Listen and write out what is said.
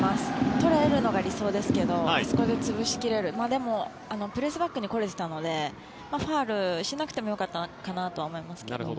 取れるのが理想ですけどあそこで潰しきれるでもプレスバックに来れていたのでファウルしなくてもよかったかなとは思いますが。